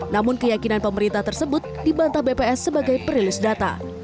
namun keyakinan pemerintah tersebut dibantah bps sebagai perilis data